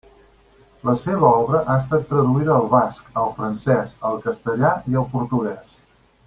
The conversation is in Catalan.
La seva obra ha estat traduïda al basc, al francès, al castellà i al portuguès.